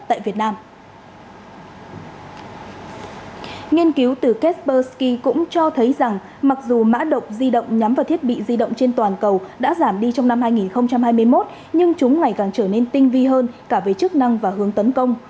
nghiên cứu từ kesbursky cũng cho thấy rằng mặc dù mã động di động nhắm vào thiết bị di động trên toàn cầu đã giảm đi trong năm hai nghìn hai mươi một nhưng chúng ngày càng trở nên tinh vi hơn cả về chức năng và hướng tấn công